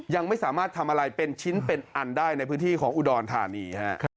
ยังไม่สามารถทำอะไรเป็นชิ้นเป็นอันได้ในพื้นที่ของอุดรธานี